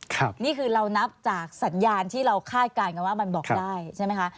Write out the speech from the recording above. นี่คือเรานับจากสัญญาณที่เราคาดการณ์กันว่ามันบอกได้ใช่ไหมคะ